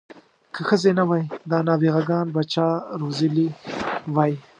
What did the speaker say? که ښځې نه وای دا نابغه ګان به چا روزلي وی.